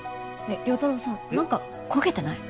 ねえ亮太郎さん何か焦げてない？